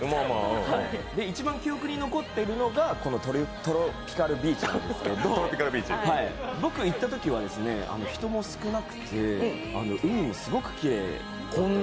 一番記憶に残っているのがトロピカルビーチなんですけど僕が行ったときは人も少なくて海もすごくきれい。